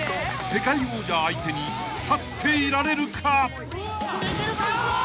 ［世界王者相手に立っていられるか？］